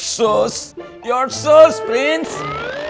kau benar benar prince